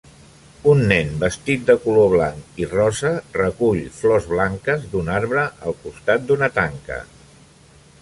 Un nen vestit de color blanc i rosa recull flors blanques d'un arbre al costat d'una tanca.